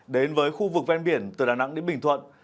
đến với khu vực ven biển từ đà nẵng đến bình thuận